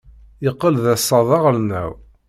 Yeqqel d asaḍ aɣelnaw.